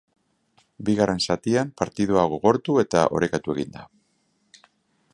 Bigarren zatian partida gogortu eta orekatu egin da.